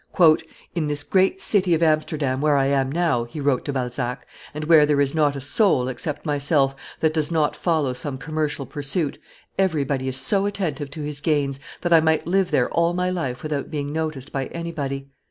"In this great city of Amsterdam, where I am now," he wrote to Balzac, "and where there is not a soul, except myself, that does not follow some commercial pursuit, everybody is so attentive to his gains, that I might live there all my life without being noticed by anybody.